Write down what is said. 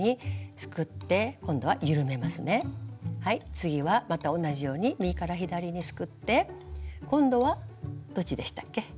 次はまた同じように右から左にすくって今度はどっちでしたっけ？